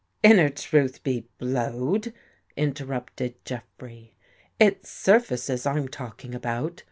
..." "Inner truth be Mowed!" interrupted Jeffrey. " It's surfaces I'm talking about.